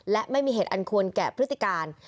และไม่มีเหตุอันควรแก่พฤติการ